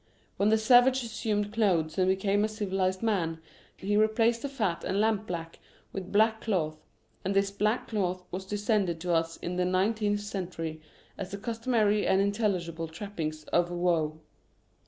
When the savage assumed clothes and became a civilised man, he replaced the fat and lampblack with black cloth, and this black cloth has descended to us in the nineteenth century as the customary and intelligible trappings of woe.